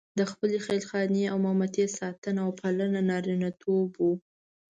د خپلې خېل خانې او مامتې ساتنه او پالنه نارینتوب وو.